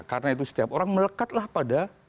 karena itu setiap orang melekatlah pada